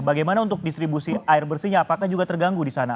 bagaimana untuk distribusi air bersihnya apakah juga terganggu di sana